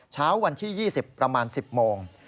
เช้าวันที่๒๐ประมาณ๑๐โมง